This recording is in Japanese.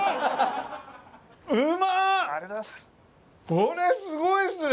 これすごいっすね！